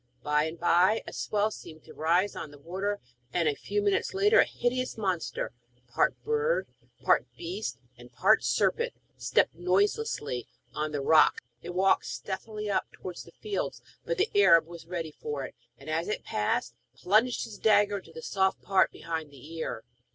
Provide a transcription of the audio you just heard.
By and by a swell seemed to rise on the water, and, a few minutes later, a hideous monster part bird, part beast, and part serpent stepped noiselessly on to the rocks. It walked stealthily up towards the fields, but the Arab was ready for it, and, as it passed, plunged his dagger into the soft part behind the ear.